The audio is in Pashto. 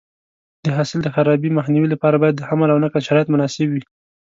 د حاصل د خرابي مخنیوي لپاره باید د حمل او نقل شرایط مناسب وي.